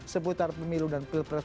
seputar pemilu dan pilpres